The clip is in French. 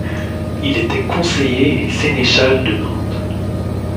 Il était conseiller et sénéchal de Nantes.